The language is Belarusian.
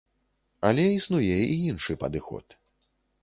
Але існуе і іншы падыход.